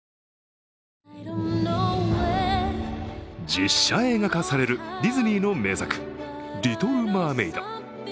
実写映画化されるディズニーの名作「リトル・マーメイド」。